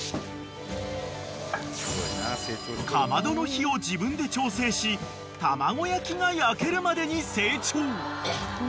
［かまどの火を自分で調整し卵焼きが焼けるまでに成長］